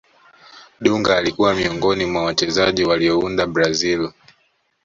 dunga alikuwa miongoni mwa wachezaji waliounda brazil